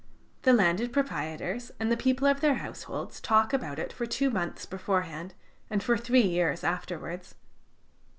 The landed proprietors and the people of their households talk about it for two months beforehand and for three years afterwards.